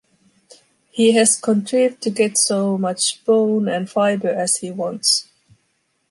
He has contrived to get so much bone and fibre as he wants.